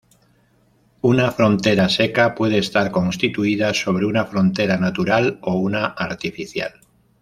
Una frontera seca puede estar constituida sobre una frontera natural o una artificial.